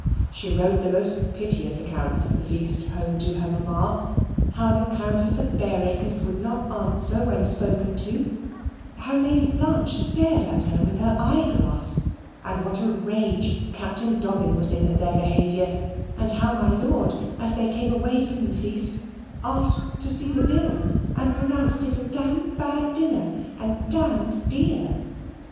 She wrote the most piteous accounts of the feast home to her mamma: how the Countess of Bareacres would not answer when spoken to; how Lady Blanche stared at her with her eye glass; and what a rage Captain Dobbin was in at their behaviour; and how my lord, as they came away from the feast, asked to see the bill, and pronounced it a d bad dinner, and d dear.